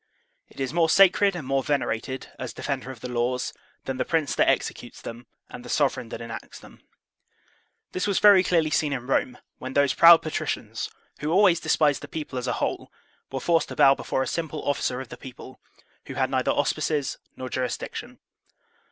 It is more sacred and more venerated, as defender of the laws, than the Prince that executes them and the sovereign that enacts them. This was very clearly seen in Rome, when those proud patricians, who always despised the people as a whole, were forced to bow before a simple officer of the people, who had neither auspices nor jurisdiction.